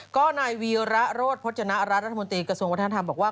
ก็นายวีระโรธพจนรัฐรัฐรัฐมนตรีกระทรวงวัฒนธรรมบอกว่า